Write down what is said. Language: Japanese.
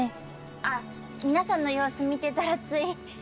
あっ皆さんの様子見てたらつい。